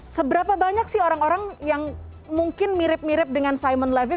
seberapa banyak sih orang orang yang mungkin mirip mirip dengan simon levis